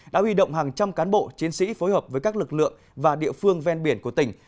đã huy động hàng trăm cán bộ chiến sĩ phối hợp với các lực lượng và địa phương ven biển của tỉnh